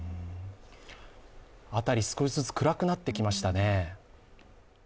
あたり、少しずつ暗くなってきましたね。